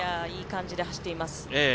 いい感じで走っています。